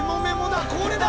だこれだ！